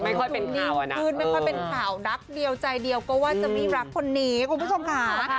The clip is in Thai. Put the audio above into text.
ขึ้นไม่ค่อยเป็นข่าวรักเดียวใจเดียวก็ว่าจะไม่รักคนนี้คุณผู้ชมค่ะ